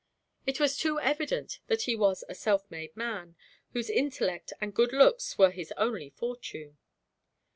It was too evident that he was a self made man, whose intellect and good looks were his only fortune.